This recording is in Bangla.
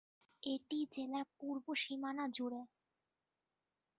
এটি জেলার পূর্ব সীমানা জুড়ে।